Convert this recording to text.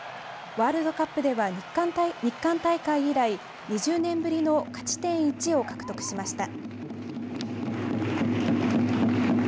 ワールドカップでは日韓大会以来２０年ぶりの勝ち点１を獲得しました。